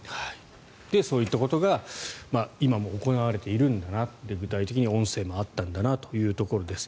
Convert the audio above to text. そういったことが今も行われているんだなと具体的に音声もあったんだなというところです。